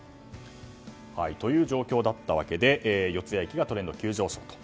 という状況だったわけで四ツ谷駅がトレンド急上昇と。